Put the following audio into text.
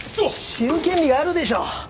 知る権利があるでしょ。